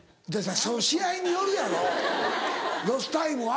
その試合によるやろロスタイムは。